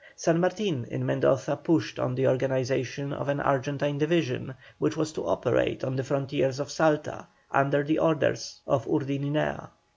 San Martin in Mendoza pushed on the organization of an Argentine division, which was to operate on the frontiers of Salta, under the orders of Urdininea.